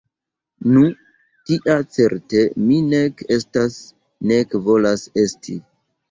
Nu, tia certe mi nek estas, nek volas esti.